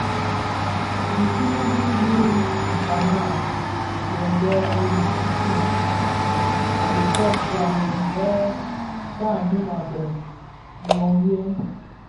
Dhitutubi di ka dhembèn bi- kristus a dhifeg byamèn yë tannum a bheg nloghèn.